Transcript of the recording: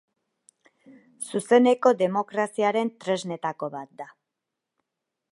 Zuzeneko demokraziaren tresnetako bat da.